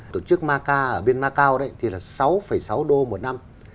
tổ chức macau ở bên macau thì là sáu sáu đô một năm